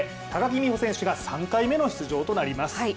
高木美帆選手が３回目の出場となります。